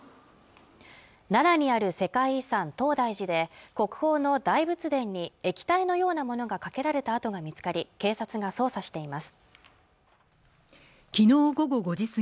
奈良にある世界遺産東大寺で国宝の大仏殿に液体のようなものがかけられた跡が見つかり警察が捜査しています